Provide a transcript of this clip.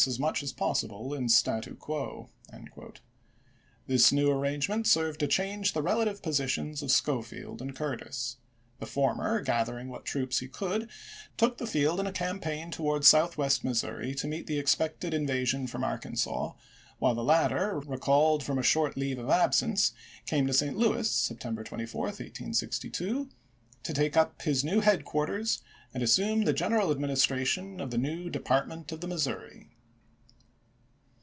■' as much as possible in statu quoJ" This new ar rangement served to change the relative positions of Schofield and Curtis. The former, gathering what troops he could, took the field in a campaign towards Southwest Missouri to meet the expected invasion from Arkansas, while the latter, recalled from a short leave of absence, came to St. Louis Ourtis Orders, (September 24, 1862) to take up his headquarters Vol' ™^*^^^ assume the general administration of the new p. 666. Department of the Missouri.